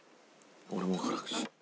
俺も辛口。